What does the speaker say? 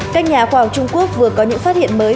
các nhà khoa học trung quốc vừa có những phát hiện mới